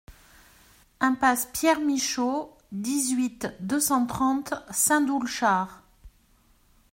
Impasse Pierre Michot, dix-huit, deux cent trente Saint-Doulchard